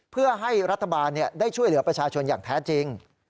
เพื่อให้รัฐบาลได้ช่วยเหลือประชาชนอย่างแท้จริง